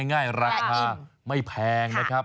ง่ายราคาไม่แพงนะครับ